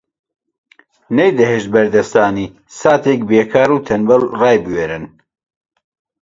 نەیدەهێشت بەردەستانی ساتێک بێکار و تەنبەڵ ڕایبوێرن